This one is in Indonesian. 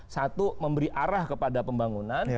satu memberi arah kepada pembangunan